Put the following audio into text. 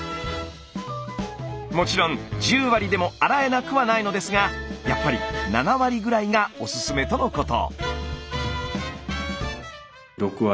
もちろん１０割でも洗えなくはないのですがやっぱり７割ぐらいがおすすめとのこと。